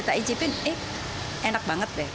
saya mencicipi eh enak banget deh